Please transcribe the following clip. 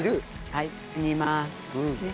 はい煮ます。